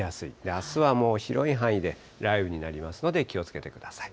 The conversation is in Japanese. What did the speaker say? あすはもう広い範囲で雷雨になりますので、気をつけてください。